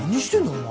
お前。